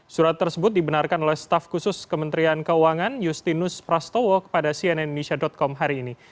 surat tersebut dibenarkan oleh staf khusus kementerian keuangan justinus prastowo kepada cnn indonesia com hari ini